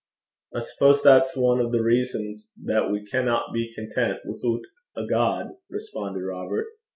'I suppose that's ane o' the reasons that we canna be content withoot a God,' responded Robert.